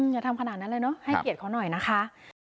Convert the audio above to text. อย่าทำขนาดนั้นเลยเนอะให้เกียรติเขาหน่อยนะคะ